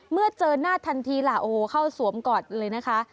เมื่อเจอหน้าทันทีเข้าสวมก่อนเลยนะคะ